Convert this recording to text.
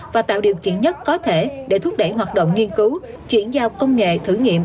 và tạo điều kiện nhất có thể để thúc đẩy hoạt động nghiên cứu chuyển giao công nghệ thử nghiệm